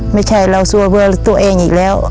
ไม่ใช่เราสู้เพื่อตัวเองอีกแล้ว